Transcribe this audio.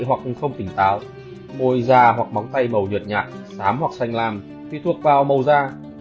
hoặc không tỉnh táo môi da hoặc móng tay màu nhuệt nhạt sám hoặc xanh lam phi thuộc vào màu da